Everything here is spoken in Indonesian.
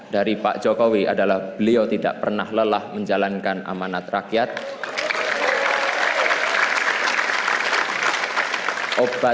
yang patut saya dan kita harus contoh